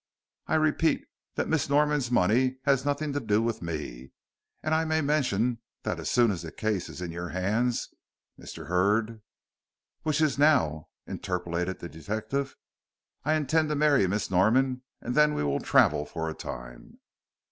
"I repeat that Miss Norman's money has nothing to do with me. And I may mention that as soon as the case is in your hands, Mr. Hurd " "Which it is now," interpolated the detective. "I intend to marry Miss Norman and then we will travel for a time."